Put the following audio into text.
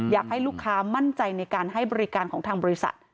อยากให้ลูกค้ามั่นใจในการให้บริการของทางบริษัท